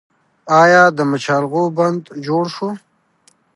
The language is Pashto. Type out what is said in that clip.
آیا د مچالغو بند جوړ شو؟